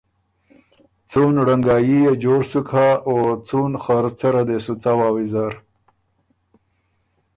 څُون ړنګايي يې جوړ سُک هۀ او څُون خرڅۀ ره دې سُو څوا ویزر